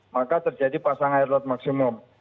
maka terjadi pasang air laut maksimum